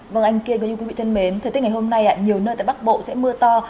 vâng anh kiên quý vị thân mến thời tiết ngày hôm nay nhiều nơi tại bắc bộ sẽ mưa to